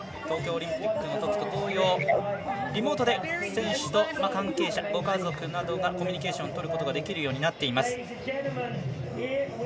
東京オリンピックのときと同様リモートで選手と関係者ご家族などがコミュニケーションをとることができるようになっています。